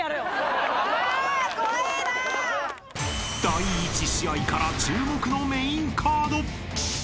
［第１試合から注目のメインカード］